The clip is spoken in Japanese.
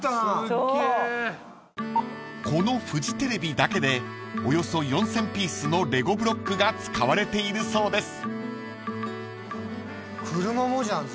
［このフジテレビだけでおよそ４，０００ピースのレゴブロックが使われているそうです］